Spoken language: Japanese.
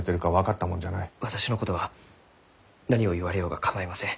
私のことは何を言われようが構いません。